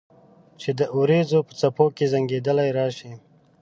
چې د اوریځو په څپو کې زنګیدلې راشي